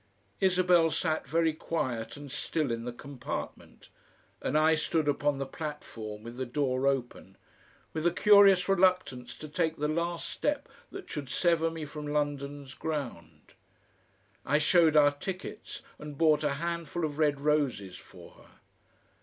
Isabel sat very quiet and still in the compartment, and I stood upon the platform with the door open, with a curious reluctance to take the last step that should sever me from London's ground. I showed our tickets, and bought a handful of red roses for her.